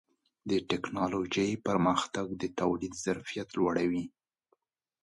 د ټکنالوجۍ پرمختګ د تولید ظرفیت لوړوي.